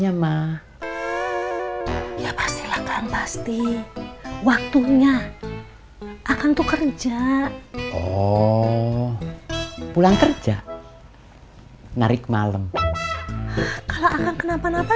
ya ma ya pastilah kan pasti waktunya akan tuh kerja oh pulang kerja narik malem kenapa napa